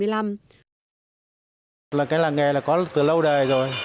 làng nghề có từ lâu đời rồi